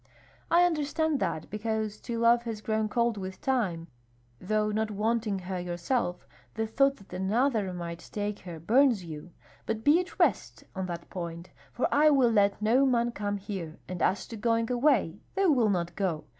"I understand that, because till love has grown cold with time, though not wanting her yourself, the thought that another might take her burns you. But be at rest on that point, for I will let no man come here, and as to going away they will not go.